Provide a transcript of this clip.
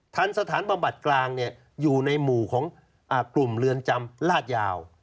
ทันสถานบำบัดกลางอยู่ในหมู่ของกลุ่มเรือนจำลาดยาว